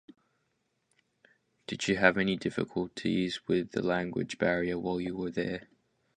Did you have any difficulties with the language barrier while you were there?